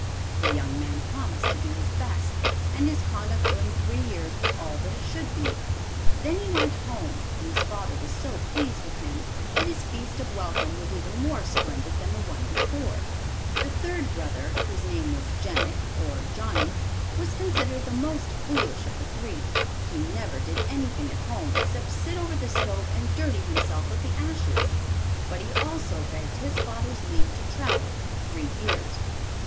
The young man promised to do his best, and his conduct during three years was all that it should be. Then he went home, and his father was so pleased with him that his feast of welcome was even more splendid than the one before. The third brother, whose name was Jenik, or Johnnie, was considered the most foolish of the three. He never did anything at home except sit over the stove and dirty himself with the ashes; but he also begged his father's leave to travel for three years.